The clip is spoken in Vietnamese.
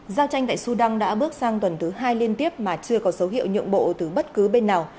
giao tranh tại sudan đã bước sang tuần thứ hai liên tiếp mà chưa có dấu hiệu nhượng bộ từ bất cứ bên nào